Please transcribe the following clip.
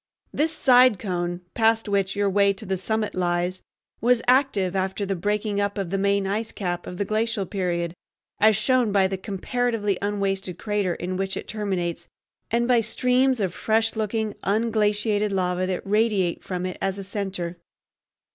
This side cone, past which your way to the summit lies, was active after the breaking up of the main ice cap of the glacial period, as shown by the comparatively unwasted crater in which it terminates and by streams of fresh looking, unglaciated lava that radiate from it as a center.